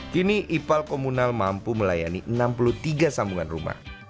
kini ipal komunal mampu melayani enam puluh tiga sambungan rumah